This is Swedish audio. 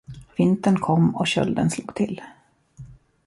Vintern kom och kölden slog till.